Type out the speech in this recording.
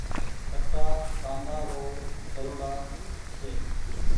ڪٽآ کآنڊي رو ڇلوڙآ چي۔